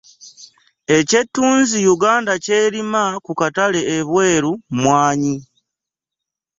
Eky'ettunzi Yuganda ky'erima ku katale ebweru mmwanyi.